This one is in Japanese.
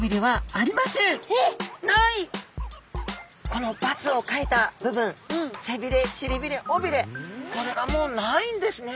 この×を書いた部分せびれしりびれおびれこれがもうないんですね。